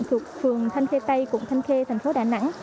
thuộc phường thanh khe tây cụng thanh khe thành phố đà nẵng